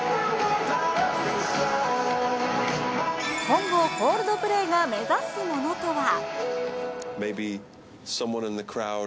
今後、コールドプレイが目指すものとは？